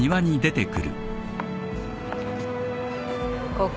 ここ？